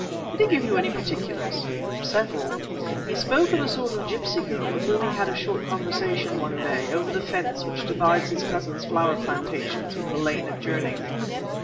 "Did he give you any particulars?" "Several. He spoke of a sort of gipsy girl with whom he had a short conversation one day, over the fence which divides his cousin's flower plantations from the lane adjoining."